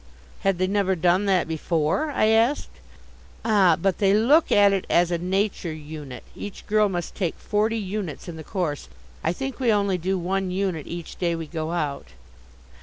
"Had they never done that before?" I asked. "Ah, but they look at it as a Nature Unit. Each girl must take forty units in the course. I think we only do one unit each day we go out."